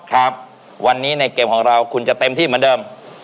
ครับวันนี้ในเกมของเราคุณจะเต็มที่เหมือนเดิม